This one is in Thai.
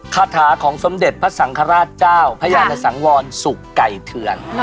คาถาสมเด็จของพระสังฆราชฌาวพระหญ่สังวอลสุขไก่เถือน